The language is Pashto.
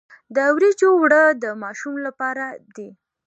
د وریجو اوړه د ماشوم لپاره دي.